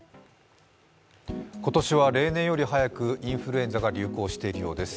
今年は例年より早くインフルエンザが流行しているようです。